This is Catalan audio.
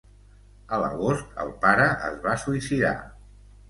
A l'agost el pare es va suïcidar.